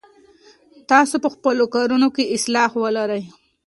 تاسو په خپلو کارونو کې اخلاص ولرئ.